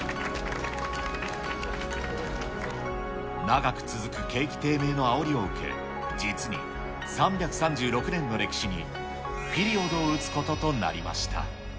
長く続く景気低迷のあおりを受け、実に３３６年の歴史にピリオドを打つこととなりました。